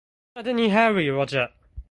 نادني هاري رجاء.